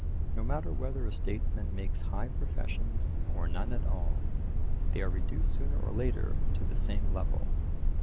No matter whether a statesman makes high professions or none at all—they are reduced sooner or later to the same level.